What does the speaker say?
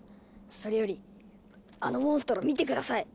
それよりあのモンストロ見て下さい！